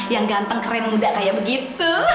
yang ganteng keren muda kayak begitu